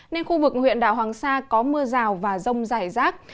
nên khu vực huyện đảo hoàng sa có mưa rào và rông dài rác